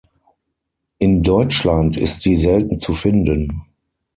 In Deutschland ist sie selten zu finden.